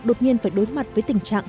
đột nhiên phải đối mặt với tình trạng